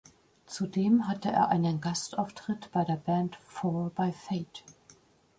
Zudem hatte er einen Gastauftritt bei der Band Four By Fate.